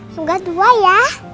semoga dua ya